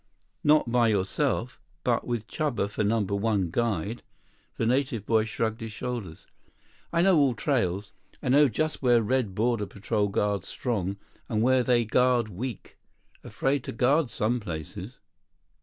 60 "Not by yourself. But with Chuba for Number One guide—" The native boy shrugged his shoulders. "I know all trails. I know just where Red border patrol guards strong, and where they guard weak. Afraid to guard some places."